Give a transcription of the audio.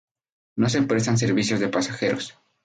No se prestan servicios de pasajeros.